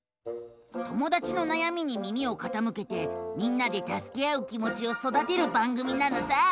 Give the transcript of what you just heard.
友だちのなやみに耳をかたむけてみんなでたすけ合う気もちをそだてる番組なのさ！